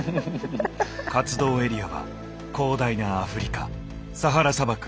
活動エリアは広大なアフリカサハラ砂漠一帯。